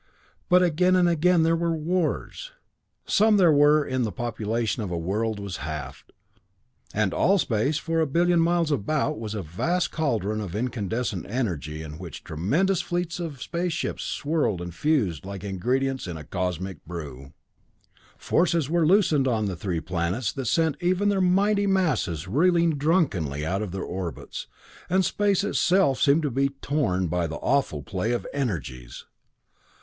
But again and again there were wars. Some there were in which the population of a world was halved, and all space for a billion miles about was a vast cauldron of incandescent energy in which tremendous fleets of space ships swirled and fused like ingredients in some cosmic brew. Forces were loosed on the three planets that sent even their mighty masses reeling drunkenly out of their orbits, and space itself seemed to be torn by the awful play of energies.